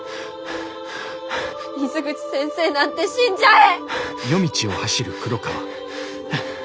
水口先生なんて死んじゃえ！